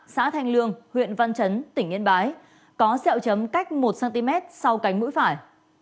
xã thanh lương huyện văn trấn tỉnh yên bái có sẹo chấm cách một cm sau cánh mũi phải